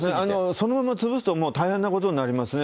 そのまま潰すと大変なことになりますね。